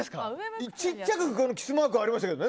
ちっちゃくキスマークありましたけど。